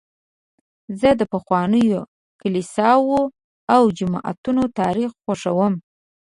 زه د پخوانیو کلیساوو او جوماتونو تاریخ خوښوم.